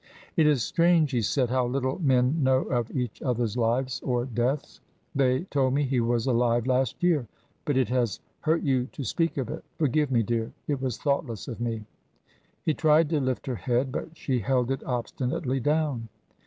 "It is strange," he said, "how little men know of each other's lives or deaths. They told me he was alive last year. But it has hurt you to speak of it. Forgive me, dear, it was thoughtless of me." He tried to lift her head, but she held it obstinately down.